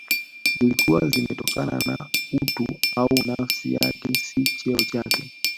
Zilikuwa zimetokana na utu au nafsi yake si cheo chake